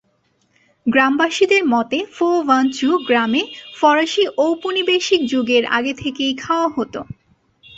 গ্রামবাসীদের মতে ফো ভান চু গ্রামে ফরাসী ঔপনিবেশিক যুগের আগে থেকেই খাওয়া হত।